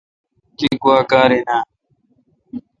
تی گوا کار این۔